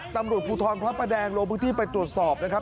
ตำรวจภูทรพระประแดงลงพื้นที่ไปตรวจสอบนะครับ